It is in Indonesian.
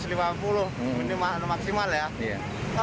ini maksimal ya